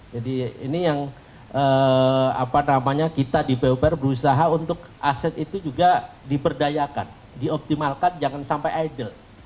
jadi ini yang apa namanya kita di pupr berusaha untuk aset itu juga diperdayakan dioptimalkan jangan sampai idle